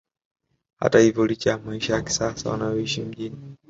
Hata hivyo licha ya maisha ya kisasa wanayoishi mjini